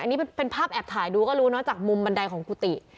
อันนี้เป็นภาพแอบถ่ายดูก็รู้เนอะจากมุมบันไดของกุฏิ